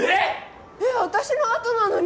私のあとなのに！